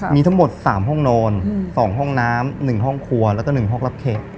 มีทั้งหมด๓ห้องนอน๒ห้องน้ำ๑ห้องครัวแล้วก็๑ห้องรับแขก